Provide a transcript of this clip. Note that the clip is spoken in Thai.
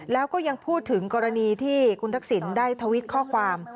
แล้วก็ยังพูดถึงกรณีที่คุณทักษิณได้ทวิตข้อความ